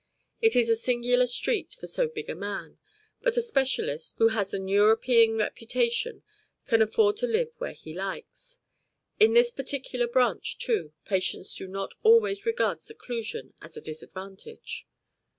It is a singular street for so big a man; but a specialist who has an European reputation can afford to live where he likes. In his particular branch, too, patients do not always regard seclusion as a disadvantage.